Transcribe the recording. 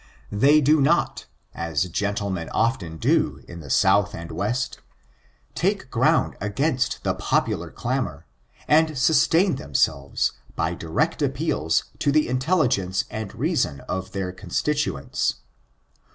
They do not, as gentlemen often do in the South and West, take ground against tlie popular clamor, and sustain themselves by direct appeals to the intelligence and reason of their constituents.